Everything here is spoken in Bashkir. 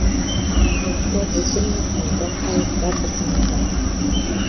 Бәпкә бөтөнләй хәлдән тайып ятып ҡалғайны.